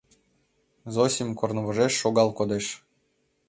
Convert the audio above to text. Зосим корнывожеш шогал кодеш.